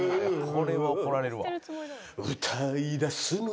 「これは怒られるわ」